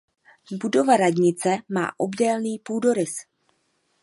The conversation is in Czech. Budova radnice má obdélný půdorys.